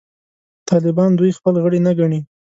طالبان دوی خپل غړي نه ګڼي.